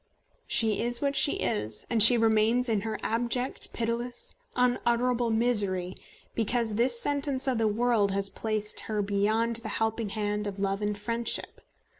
She is what she is, and she remains in her abject, pitiless, unutterable misery, because this sentence of the world has placed her beyond the helping hand of Love and Friendship.